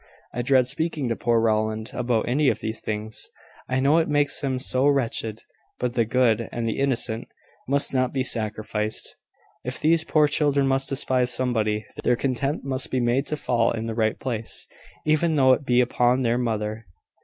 I dread speaking to poor Rowland about any of these things; I know it makes him so wretched: but the good and the innocent must not be sacrificed. If these poor children must despise somebody, their contempt must be made to fall in the right place, even though it be upon their mother."